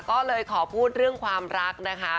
ก็เลยขอพูดเรื่องความรักนะคะ